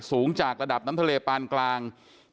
สูงจากระดับน้ำทะเลปานกลาง